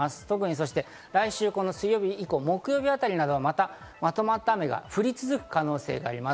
そして来週水曜日以降、木曜日あたりなどは、またまとまった雨が降り続く可能性があります。